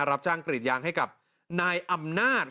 รับจ้างกรีดยางให้กับนายอำนาจ